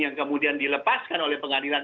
yang kemudian dilepaskan oleh pengadilan